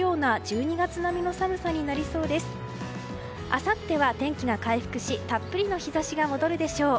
あさっては天気が回復したっぷりの日差しが戻るでしょう。